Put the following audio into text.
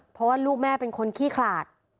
เพราะว่าลูกแม่เป็นคนขี้ขลาด